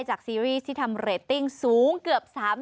ซีรีส์ที่ทำเรตติ้งสูงเกือบ๓๐